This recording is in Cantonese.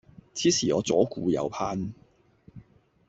此時我左顧右盼